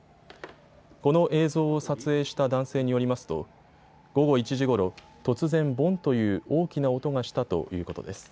この映像を撮影した男性によりますと午後１時ごろ突然ボンッという大きな音がしたということです。